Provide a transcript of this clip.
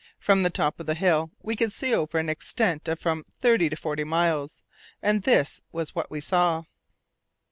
From the top of the hill we could see over an extent of from thirty to forty miles, and this was what we saw.